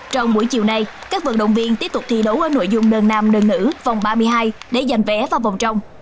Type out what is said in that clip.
trong buổi chiều nay các vận động viên tiếp tục thi đấu ở nội dung đơn nam đơn nữ vòng ba mươi hai để giành vé vào vòng trong